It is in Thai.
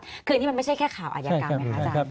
คืออันนี้มันไม่ใช่แค่ข่าวอัยกรรมไหมคะอาจารย์